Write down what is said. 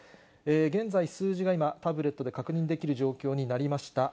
現在、数字が今、タブレットで確認できる状況になりました。